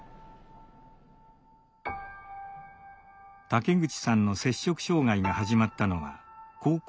竹口さんの摂食障害が始まったのは高校２年の時。